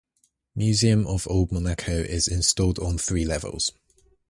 Museum of Old Monaco is installed on three levels.